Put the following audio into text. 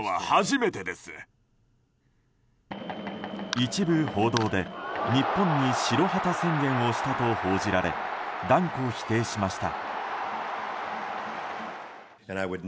一部報道で、日本に白旗宣言をしたと報じられ断固否定しました。